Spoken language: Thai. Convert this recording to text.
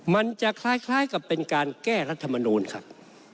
มันจะคล้ายกับเป็นการแก้รัฐมนูลครับ